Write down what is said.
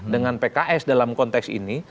dengan pks dalam konteks ini